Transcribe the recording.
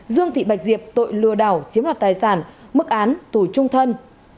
dương thị bạch diệp tội lừa đảo chiếm ra tài sản mức án tùy trung thân